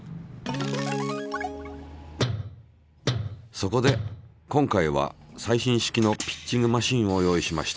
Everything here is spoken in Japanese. そこで今回は最新式のピッチングマシンを用意しました。